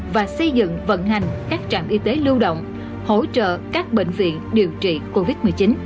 và xây dựng vận hành các trạm y tế lưu động hỗ trợ các bệnh viện điều trị covid một mươi chín